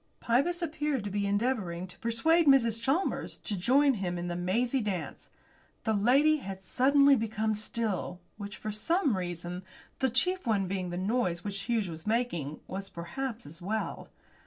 Pybus appeared to be endeavouring to persuade Mrs. Chalmers to join him in the mazy dance. The lady had suddenly become still, which, for some reasons, the chief one being the noise which Hughes was making, was perhaps as well.